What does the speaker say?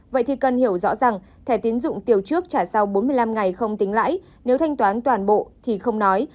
vậy thì cần hiểu rõ rằng thẻ tiến dụng tiêu trước trả sau bốn mươi năm ngày không tính lãi nếu thanh toán toàn bộ thì không nói